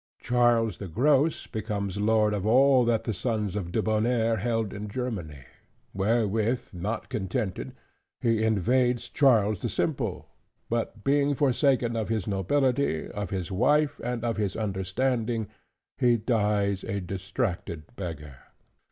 Charles the Gross becomes lord of all that the sons of Debonnaire held in Germany; wherewith not contented, he invades Charles the Simple: but being forsaken of his nobility, of his wife, and of his understanding, he dies a distracted beggar.